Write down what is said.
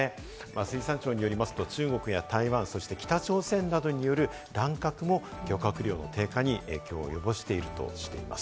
水産庁によりますと、中国や台湾、そして北朝鮮などによる乱獲も漁獲量の低下に影響を及ぼしているとしています。